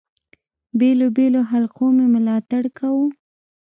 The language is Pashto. بېلو بېلو حلقو مي ملاتړ کاوه.